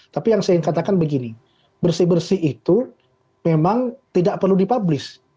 tapi yang saya ingin katakan begini bersih bersih itu memang tidak perlu dipublis